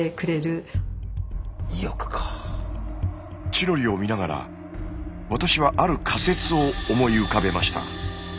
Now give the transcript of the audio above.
チロリを見ながら私はある仮説を思い浮かべました。